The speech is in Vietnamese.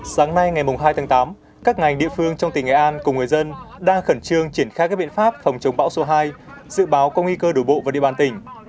sáng nay ngày hai tháng tám các ngành địa phương trong tỉnh nghệ an cùng người dân đang khẩn trương triển khai các biện pháp phòng chống bão số hai dự báo có nguy cơ đổ bộ vào địa bàn tỉnh